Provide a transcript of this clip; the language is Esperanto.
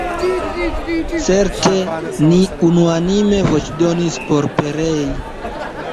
Certe ni unuanime voĉdonis por perei.